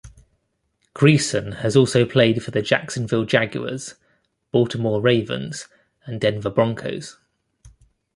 Greisen has also played for the Jacksonville Jaguars, Baltimore Ravens and Denver Broncos.